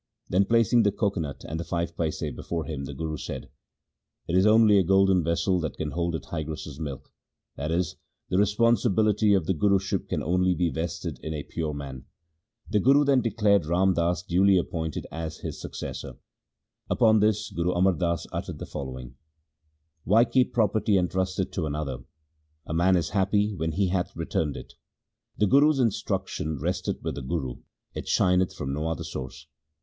Then placing the coco nut and the five paise before him the Guru said, ' It is only a golden vessel that can hold a tigress's milk' — that is, the responsibility of the Guruship can only be vested in a pure man. The Guru then declared Ram Das duly appointed LIFE OF GURU AMAR DAS 147 as his successor. Upon this Guru Amar Das uttered the following :— Why keep property entrusted to another ? A man is happy when he hath returned it. 1 The Guru's instruction resteth with the Guru ; it shineth from no other source.